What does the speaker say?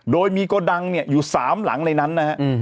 โดยมีโกดังอยู่๓หลังในนั้นนะครับ